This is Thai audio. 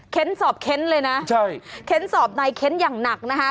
เค้นสอบเค้นเลยนะเค้นสอบในเค้นอย่างหนักนะฮะ